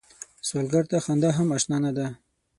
سوالګر ته خندا هم اشنا نه ده